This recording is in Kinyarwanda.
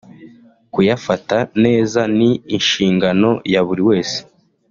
kuyafata neza ni inshingano ya buri wese